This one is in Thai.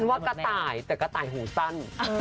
กะไตแต่กะไตหูชั้น